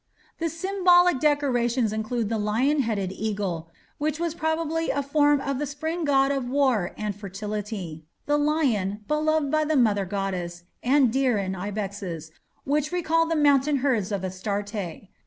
The symbolic decorations include the lion headed eagle, which was probably a form of the spring god of war and fertility, the lion, beloved by the Mother goddess, and deer and ibexes, which recall the mountain herds of Astarte.